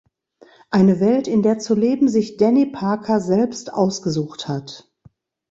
Eine Welt, in der zu leben sich Danny Parker selbst ausgesucht hat.